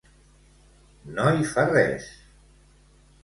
No hi fa res.